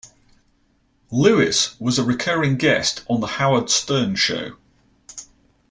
Lewis was a recurring guest on "The Howard Stern Show".